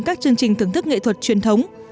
các chương trình thưởng thức nghệ thuật truyền thống